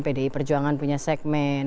pdi perjuangan punya segmen